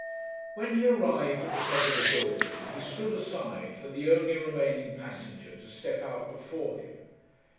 When he arrived at the top of the building he stood aside for the only remaining passenger to step out before him.